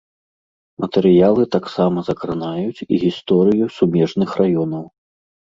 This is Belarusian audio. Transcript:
Матэрыялы таксама закранаюць і гісторыю сумежных раёнаў.